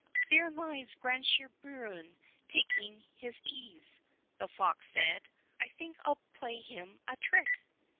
" There lies Grandsire Bruin taking his ease,'' the fox said. "I think I'll play him a trick."